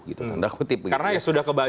karena ya sudah kebaca ya tren politiknya